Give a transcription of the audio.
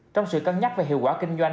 trong sự cân nhắc về hiệu quả kinh doanh